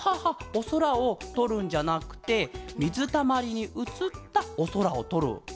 おそらをとるんじゃなくてみずたまりにうつったおそらをとるケロね。